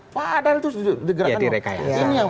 padahal itu digerakkan